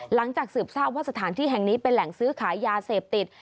หลังจากสืบทราบว่าสถานที่แห่งนี้เป็นแหล่งซื้อขายยาเสพติด